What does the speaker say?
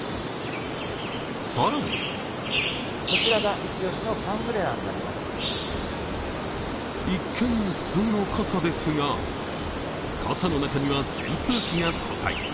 更に一見、普通の傘ですが傘の中には扇風機が搭載。